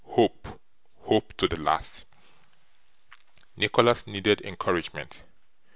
Hope, hope, to the last!' Nicholas needed encouragement.